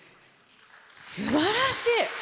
すばらしい！